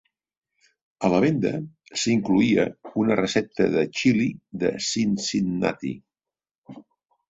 A la venda s'incloïa una recepta de xili de Cincinnati.